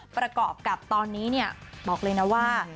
ประกอบกับตอนนี้บอกเลยนะว่า